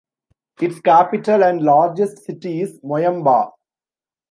Its capital and largest city is Moyamba.